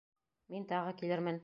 Мин тағы килермен.